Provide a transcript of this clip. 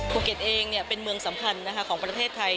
ภูเก็ตเองเป็นเมืองสำคัญของประเทศไทย